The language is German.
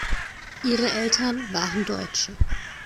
Ihre Eltern waren Deutsche.